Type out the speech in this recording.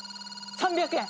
３００円。